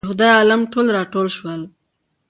د خدای عالم ټول راټول شول.